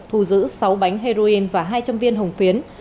thu giữ sáu bánh heroin và hai trăm linh viên hồng phiến